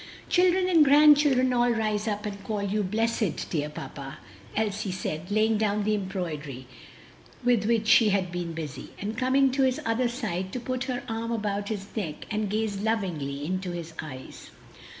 "Children and grandchildren all rise up and call you blessed, dear papa," Elsie said, laying down the embroidery with which she had been busy, and coming to his other side to put her arm about his neck and gaze lovingly into his eyes.